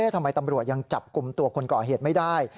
ทำไมตำรวจยังจับกลุ่มตัวคนก่อเหตุไม่ได้